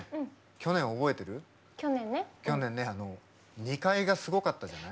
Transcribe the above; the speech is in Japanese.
去年、２階がすごかったじゃない。